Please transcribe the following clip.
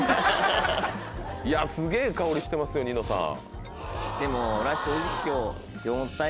いやすげぇ香りしてますよニノさん。